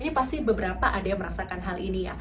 ini pasti beberapa ada yang merasakan hal ini ya